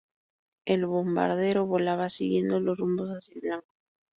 El bombardero volaba siguiendo los rumbos hacia el blanco.